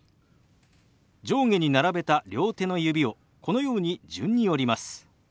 上下に並べた両手の指をこのように順に折ります。